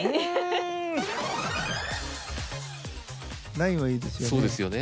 ラインはいいですよね。